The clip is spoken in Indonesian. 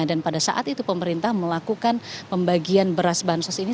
dan pada saat itu pemerintah melakukan pembagian beras bansos ini